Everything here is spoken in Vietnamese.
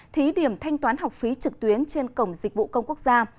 thí điểm thanh toán học phí trực tuyến trên cổng dịch vụ công quốc gia